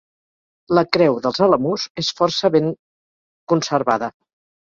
La creu dels Alamús és força ben conservada.